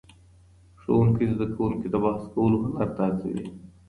ښوونکی زدهکوونکي د بحث کولو هنر ته هڅوي.